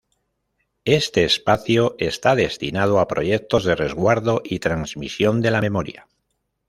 Este espacio está destinado a proyectos de resguardo y transmisión de la memoria.